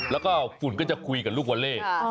แล้วก็ฝุ่นก็จะคุยกับลูกวอเล่